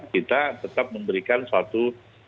kita tetap memberikan suatu